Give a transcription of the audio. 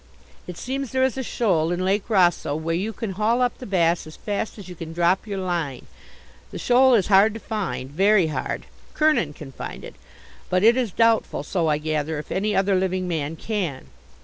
It seems there is a shoal in Lake Rosseau where you can haul up the bass as fast as you can drop your line. The shoal is hard to find very hard. Kernin can find it, but it is doubtful so I gather if any other living man can.